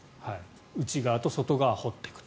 内側と外側を掘っていく。